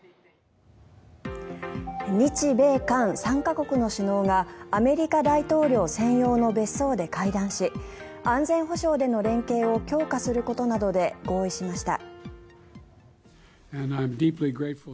日米韓３か国の首脳がアメリカ大統領専用の別荘で会談し安全保障での連携を強化することなどで合意しました。